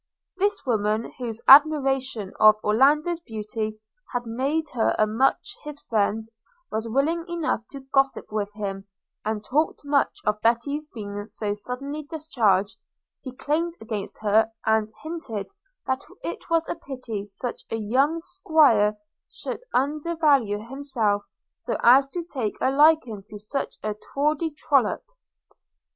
This woman, whose admiration of Orlando's beauty had made her much his friend, was willing enough to gossip with him, and talked much of Betty's being so suddenly discharged, declaimed against her, and hinted that it was a pity such a young 'squire should undervalue himself so as to take a liking to such a tawdry trollop.